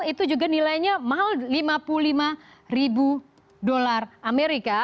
itu juga nilainya mahal lima puluh lima ribu dolar amerika